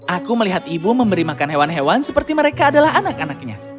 aku melihat ibu memberi makan hewan hewan seperti mereka adalah anak anaknya